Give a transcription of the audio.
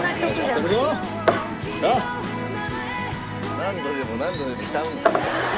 「“何度でも何度でも”ちゃうねん」